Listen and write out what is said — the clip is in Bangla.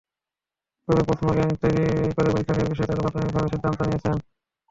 তবে প্রশ্নব্যাংক তৈরি করে পরীক্ষা নেওয়ার বিষয়ে তাঁরা প্রাথমিকভাবে সিদ্ধান্তও নিয়েছেন।